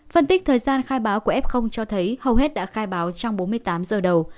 phân tích thời gian khai báo của f cho thấy hầu hết đã khai báo trong bốn mươi tám giờ đầu